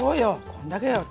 こんだけよ。